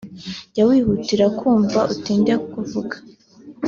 jya wihutira kumva utinde kuvuga